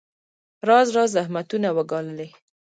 راز راز زحمتونه وګاللې.